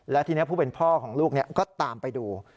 และทีนี้ผู้เป็นพ่อของลูกก็ตามไปดู